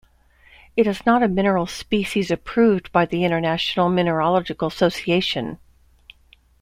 It is not a mineral species approved by International Mineralogical Association.